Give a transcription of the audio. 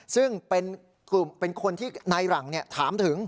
ซึ่งเป็นคนที่นายหลังเนี่ยถามถึง